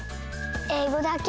えいごだけ？